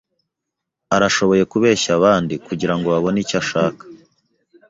Arashoboye kubeshya abandi kugirango babone icyo ashaka.